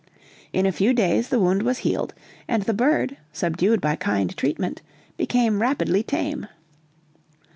In a few days the wound was healed, and the bird, subdued by kind treatment, became rapidly tame.